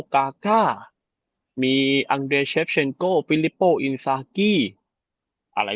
กาก้ามีอังเดเชฟเซ็นโก้ฟิลิปโป้อินซากี้อะไร